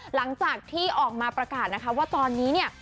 หลังจากที่ออกมาประกาศนะคะว่าตอนนี้เนี่ย